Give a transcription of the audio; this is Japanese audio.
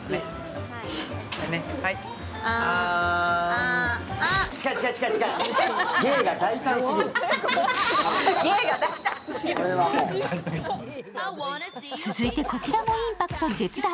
はい、あーん続いて、こちらもインパクト絶大。